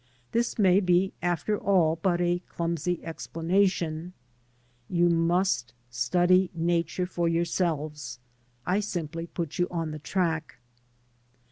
This may be after all but a clumsy explanation. You must study Nature for yourselves, I simply put you on the track.